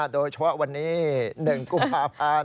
โดยเฉพาะวันนี้๑กุมภาพันธ์